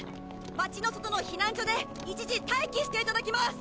街の外の避難所で一時待機していただきます。